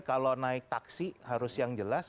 kalau naik taksi harus yang jelas